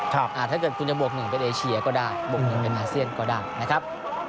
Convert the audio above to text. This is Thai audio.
ถ้าเกิดคุณจะบวก๑เป็นเอเชียก็ได้บวก๑เป็นอาเซียนก็ได้นะครับ